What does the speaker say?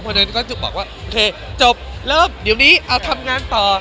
เพราะฉะนั้นก็จะบอกว่าโอเคจบเริ่มเอาทำงานต่อ